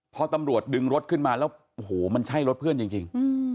พอตำรวจดึงรถขึ้นมาแล้วโอ้โหมันใช่รถเพื่อนจริง